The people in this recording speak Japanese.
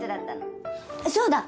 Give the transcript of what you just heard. そうだ。